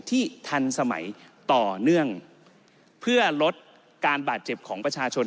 ทันสมัยต่อเนื่องเพื่อลดการบาดเจ็บของประชาชน